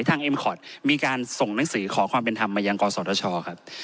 เอ็มคอร์ดมีการส่งหนังสือขอความเป็นธรรมมายังกศธชครับ